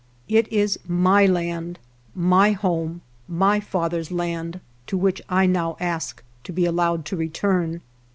It is my land, my home, my fathers' land, to which I now ask to be allowed to return.